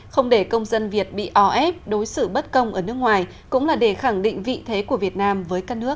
không để công dân việt bị o ép đối xử bất công ở nước ngoài cũng là để khẳng định vị thế của việt nam với các nước